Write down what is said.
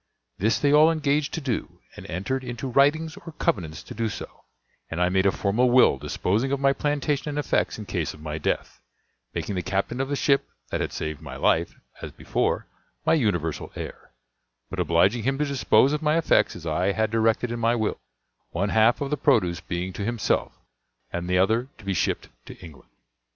This they all engaged to do, and entered into writings or covenants to do so; and I made a formal will disposing of my plantation and effects in case of my death, making the captain of the ship that had saved my life, as before, my universal heir, but obliging him to dispose of my effects as I had directed in my will, one half of the produce being to himself, and the other to be shipped to England.